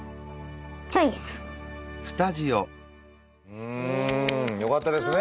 うん！よかったですね。